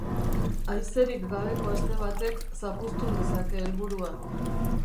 Haizerik gabeko aste batek zapuztu dezake helburua.